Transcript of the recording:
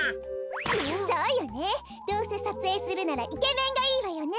そうよねどうせさつえいするならイケメンがいいわよね。